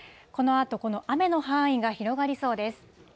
このあと、この雨の範囲が広がりそうです。